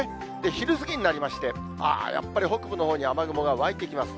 昼過ぎになりまして、やっぱり北部のほうに雨雲が湧いてきます。